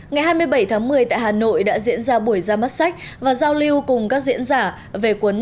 ngày hai mươi bảy tháng một mươi tại hà nội đã diễn ra buổi ra mắt sách và giao lưu cùng các diễn giả về cuốn sách